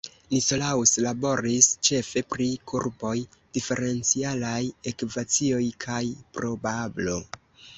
Nicolaus laboris ĉefe pri kurboj, diferencialaj ekvacioj, kaj probablo.